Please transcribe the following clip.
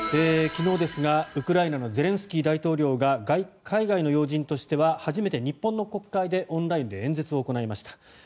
昨日ですが、ウクライナのゼレンスキー大統領が海外の要人としては初めて日本の国会でオンラインで演説を行いました。